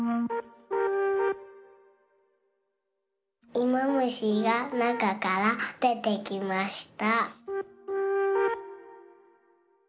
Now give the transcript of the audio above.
いもむしがなかからでてきました。